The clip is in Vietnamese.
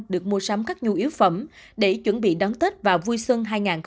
được mua sắm các nhu yếu phẩm để chuẩn bị đón tết vào vui sân hai nghìn hai mươi hai